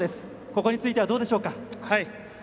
ここについてはどうでしょうか？